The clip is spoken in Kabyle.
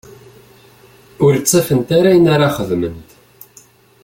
Ur ttafent ara ayen ara xedment.